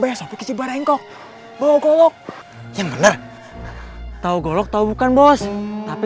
bos bos mp tiga sop kecil barengkok bau golok yang bener tahu golok tahu bukan bos tapi